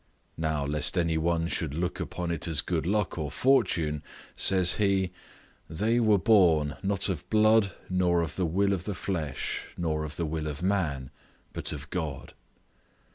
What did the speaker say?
Now, lest any one should look upon it as good luck or fortune, says he, "They were born, not of blood, nor of the will of the flesh, nor of the will of man, but of God."